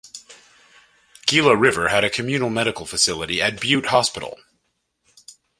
Gila River had a communal medical facility at Butte Hospital.